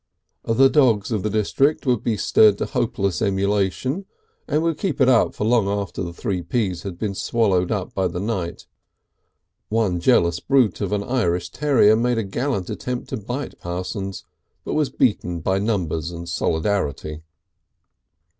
The dogs of the district would be stirred to hopeless emulation, and would keep it up for long after the Three Ps had been swallowed up by the night. One jealous brute of an Irish terrier made a gallant attempt to bite Parsons, but was beaten by numbers and solidarity.